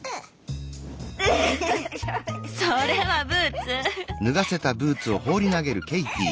それはブーツ！